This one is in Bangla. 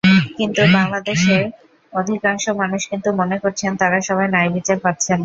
কিন্তু বাংলাদেশে অধিকাংশ মানুষ কিন্তু মনে করছেন, তাঁরা সবাই ন্যায়বিচার পাচ্ছেন না।